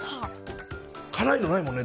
辛いのないもんね。